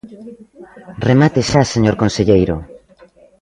Remate xa, señor conselleiro.